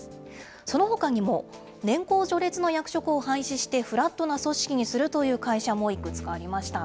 そのほかにも、年功序列の役職を廃止して、フラットな組織にするという会社もいくつかありました。